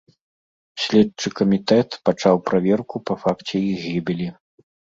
Следчы камітэт пачаў праверку па факце іх гібелі.